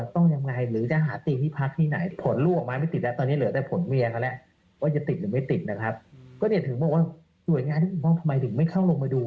ติดหรือไม่ติดนะครับก็เนี่ยถึงว่าทำไมถึงไม่เข้าลงมาดู